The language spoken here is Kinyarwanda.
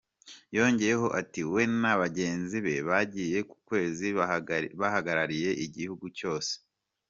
Yongeyeho ati : “We na bagenzi be bagiye ku kwezi bahagarariye igihugu cyose.